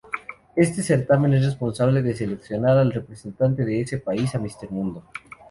Este certamen es responsable de seleccionar al representante de ese país a Mister Mundo.